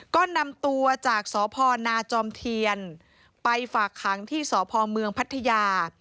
ก็นำตัวจากสพนาจอมเทียนไปฝากขังที่สพเมืองพัทยา